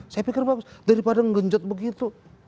saya pikir bapak daripada ngenjat begitu